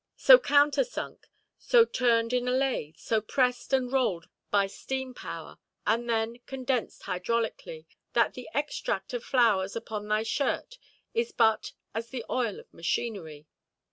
So counter–sunk, so turned in a lathe, so pressed and rolled by steam–power, and then condensed hydraulically, that the extract of flowers upon thy shirt is but as the oil of machinery.